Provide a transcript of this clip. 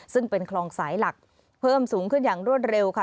ซึ่งเป็นคลองสายหลักเพิ่มสูงขึ้นอย่างรวดเร็วค่ะ